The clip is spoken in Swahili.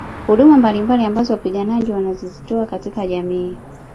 Huduma mbalimbali ambazo wapiganaji wanazozitoa katika jamii